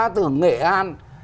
từ nghệ an